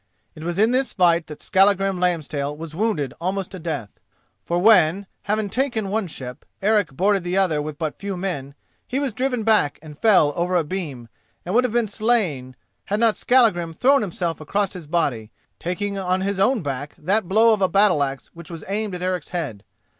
It was in this fight that Skallagrim Lambstail was wounded almost to death. For when, having taken one ship, Eric boarded the other with but few men, he was driven back and fell over a beam, and would have been slain, had not Skallagrim thrown himself across his body, taking on his own back that blow of a battle axe which was aimed at Eric's head.